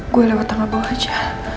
gue lewat tanggal bawah aja